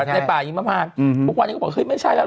ไหนปลายมันมาบอกไม่ใช่แล้ว